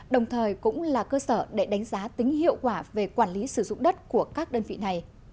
đồng thời cũng là cơ sở để đánh giá tính hiệu quả về quản lý sử dụng đất của các đơn vị này